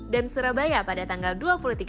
dan surabaya pada tanggal dua juli